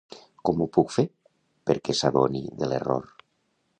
Com ho puc fer perquè s'adoni de l'error?